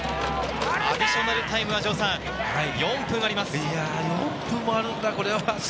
アディショナルタイムは城さん、４分あります。